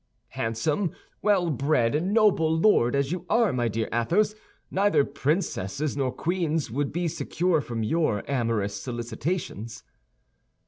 "Handsome, well bred, noble lord as you are, my dear Athos, neither princesses nor queens would be secure from your amorous solicitations."